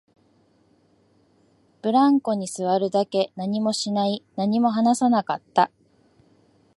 ブランコに座るだけ、何もしない、何も話さなかった